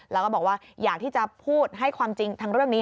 แล้วก็บอกว่าอยากที่จะพูดให้ความจริงทางเรื่องนี้